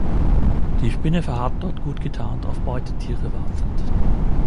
Die Spinne verharrt dort gut getarnt auf Beutetiere wartend.